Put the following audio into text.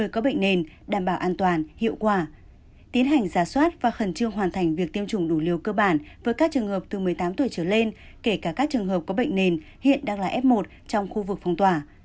kể cả các trường hợp có bệnh nền hiện đang là f một trong khu vực phong tỏa